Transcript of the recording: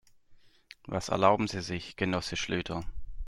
Was erlauben Sie sich, Genosse Schlüter?